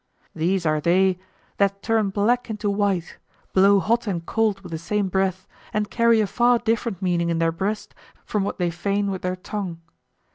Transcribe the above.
These are they "that turn black into white," blow hot and cold with the same breath, and carry a far different meaning in their breast from what they feign with their tongue.